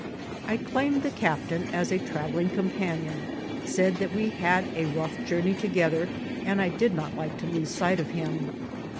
I claimed the captain as my travelling companion, said that we had a rough journey together, and I did not like to lose sight of him.